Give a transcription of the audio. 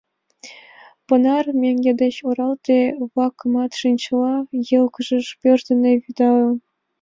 Понар меҥге ден оралте-влакымат чинчыла йылгыжше пӧрш дене вӱдылын.